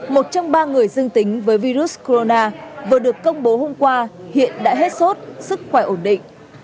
một trong ba người dương tính với virus corona vừa được công bố hôm qua hiện đã hết sốt sức khỏe ổn định